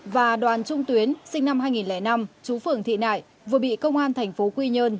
và đoàn trung tuyến sinh năm hai nghìn năm chú phường thị nại vừa bị công an thành phố quy nhơn